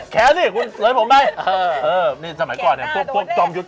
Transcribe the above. เขาสักแบบนี้ไม่จอมยุทธ